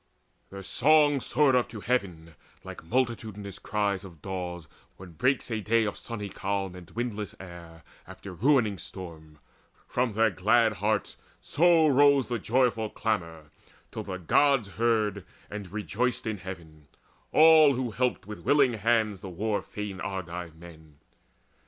Their song soared up to heaven, Like multitudinous cries of daws, when breaks A day of sunny calm and windless air After a ruining storm: from their glad hearts So rose the joyful clamour, till the Gods Heard and rejoiced in heaven, all who had helped With willing hands the war fain Argive men.